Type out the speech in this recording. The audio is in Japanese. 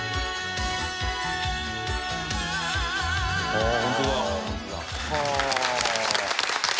「ああホントだ。はあ」